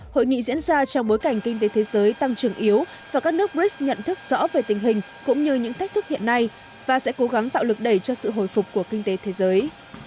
hội nghị diễn ra trong bối cảnh kinh tế thế giới tăng trưởng yếu và các nước brics nhận thức rõ về tình hình cũng như những thách thức hiện nay và sẽ cố gắng tạo lực đẩy cho sự hồi phục của kinh tế thế giới